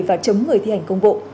và chống người thi hành công vụ